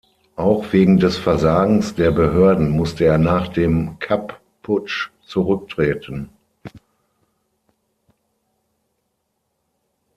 Auch wegen des Versagens der Behörden musste er nach dem Kapp-Putsch zurücktreten.